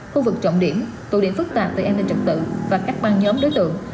khu vực trọng điểm tụ điểm phức tạp về an ninh trật tự và các băng nhóm đối tượng